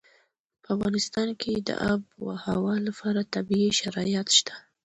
په افغانستان کې د آب وهوا لپاره طبیعي شرایط شته.